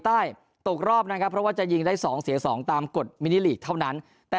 ตกรอบนะครับเพราะว่าจะยิงได้๒เสีย๒ตามกฎมินิลีกเท่านั้นแต่